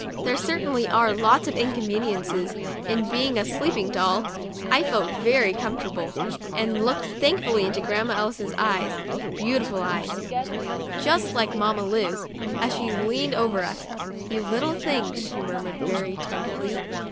There certainly are lots of inconveniences in being a sleeping doll! I felt very comfortable, and looked thankfully into Grandma Ellis's eyes (beautiful eyes, just like 75 THE DIARY OF A BIRTHDAY DOLL Mamma Lu's), as she leaned over us. "You little things," she mur mured, very tenderly.